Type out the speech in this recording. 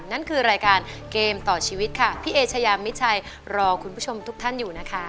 นั่นคือรายการเกมต่อชีวิตค่ะพี่เอเชยามิชัยรอคุณผู้ชมทุกท่านอยู่นะคะ